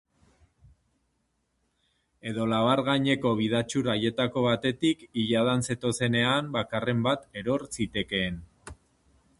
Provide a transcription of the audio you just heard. Edo labar gaineko bidatxur haietako batetik iladan zetozenean bakarren bat eror zitekeen.